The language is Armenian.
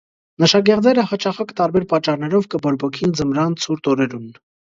Նշագեղձերը յաճախակ տարբեր պատճառներով կը բորբոքին ձմրան ցուրտ օրերուն։